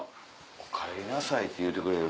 おかえりなさいって言うてくれる。